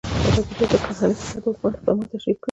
ازادي راډیو د کرهنه په اړه د حکومت اقدامات تشریح کړي.